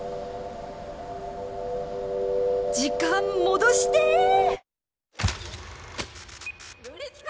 時間戻してぇ！